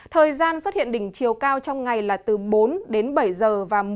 thời gian xuất hiện đỉnh chiều cao trong ngày là từ bốn đến bảy giờ